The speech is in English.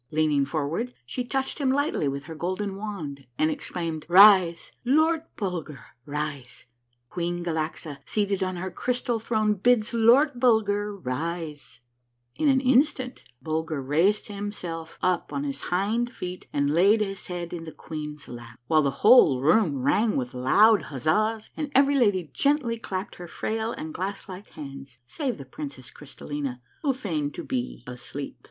Leaning forward she touched him lightly with her golden wand, and exclaimed, " Rise, Lord Bulger, rise ! Queen Galaxa seated on her crystal throne bids Lord Bulger rise !" In an instant Bulger raised himself on his hind feet and laid his head in the queen's lap, while the whole room rang with loud huzzas, and every lady gently clapped her frail and glass like hands, save the princess Crystallina who feigned to be asleep.